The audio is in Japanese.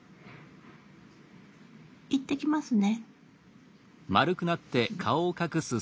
行ってきますね。